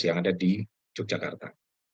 yang ada di yogyakarta